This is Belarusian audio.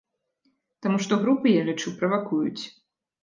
Таму што групы, я лічу, правакуюць.